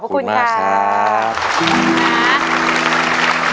ขอบคุณครับ